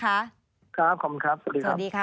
ครับขอบคุณครับสวัสดีครับ